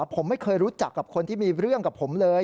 ผมไม่เคยรู้จักกับคนที่มีเรื่องกับผมเลย